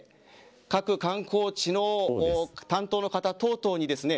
各観光地の担当の方等々にですね